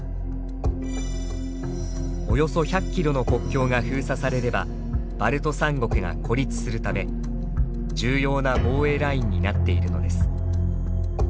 およそ１００キロの国境が封鎖されればバルト３国が孤立するため重要な防衛ラインになっているのです。